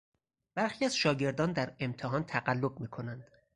برخی از شاگردان در امتحان تقلب میکنند.